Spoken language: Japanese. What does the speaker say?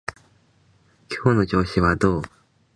今日の調子はどう？